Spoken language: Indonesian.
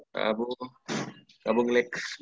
si abu si abu ngelag